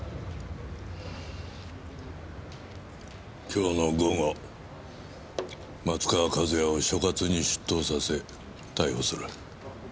今日の午後松川一弥を所轄に出頭させ逮捕する。